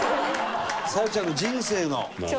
沙夜ちゃんの人生の。